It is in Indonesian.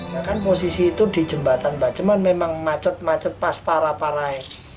bahkan posisi itu di jembatan bajem memang macet macet pas parah parah